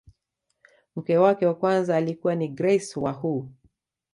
mke wake wa kwanza alikuwa ni grace wahu